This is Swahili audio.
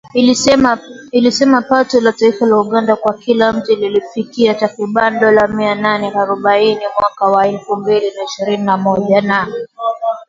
ilisema pato la taifa la Uganda kwa kila mtu lilifikia takriban dola mia nane harobaini mwaka wa elfu mbili na ishirini na moja na